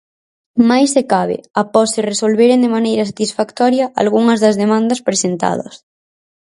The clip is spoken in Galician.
Máis se cabe, após se resolveren de maneira satisfactoria algunhas das demandas presentadas.